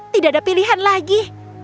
tidak ada pilihan lagi